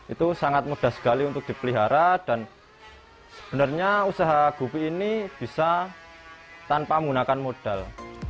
itu sangat mudah sekali untuk dipelihara dan sebenarnya usaha gupi ini bisa tanpa menggunakan modal